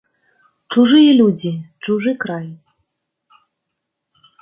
Чужыя людзі, чужы край.